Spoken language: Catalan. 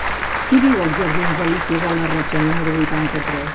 Qui viu als jardins d'Alícia de Larrocha número vuitanta-tres?